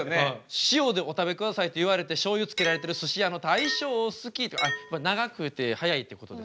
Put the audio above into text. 塩でお食べくださいって言われてしょうゆつけられてるすし屋の大将好きって長くて速いってことですよね。